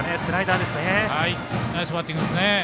ナイスバッティングですね。